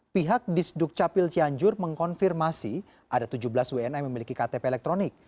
pihak disduk capil cianjur mengkonfirmasi ada tujuh belas wni memiliki ktp elektronik